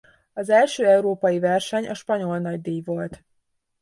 Az első európai verseny a spanyol nagydíj volt.